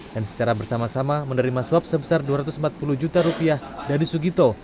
dan secara bersama sama menerima suap sebesar dua ratus empat puluh juta rupiah dari sugito